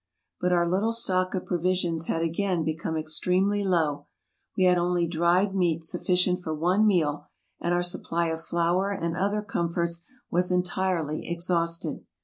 But our little stock of provisions had again become ex tremely low; we had only dried meat sufficient for one meal, and our supply of flour and other comforts was entirely ex hausted.